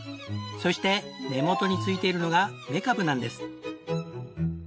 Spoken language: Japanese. そして根元に付いているのがめかぶなんです。